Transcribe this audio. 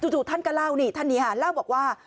จู่ท่านก็เล่านี่ท่านนี้ค่ะเล่าบอกว่า